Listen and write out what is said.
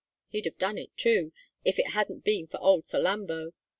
He'd have done it, too, if it hadn't been for old Salambo.